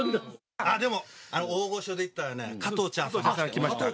でも、大御所でいったらね、加藤茶さん来ました。